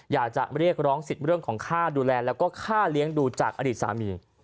อยากจะเรียกร้องสิทธิ์เรื่องของค่าดูแลแล้วก็ค่าเลี้ยงดูจากอดีตสามี